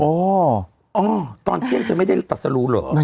อ๋อออุ้ตอนเที่ยงเธอไม่ได้ตัดสรุหร่อย